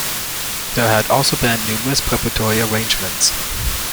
There had also been numerous preparatory arrangements.